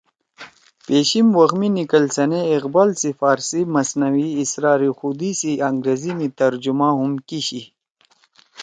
پیشیِم وخ می نکلسن ئے اقبال سی فارسی مثنوی ”اسرارِ خودی“ سی انگریزی می ترجُمہ ہُم کی شی